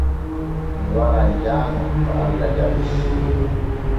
Mi waran jaaŋo to Allah jaɓii.